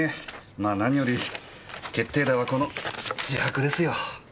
まぁ何より決定打はこの自白ですよ。